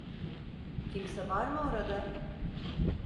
Kimse var mı orada?